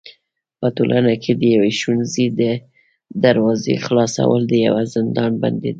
په ټولنه کي د يوي ښوونځي د دروازي خلاصول د يوه زندان بنديدل دي.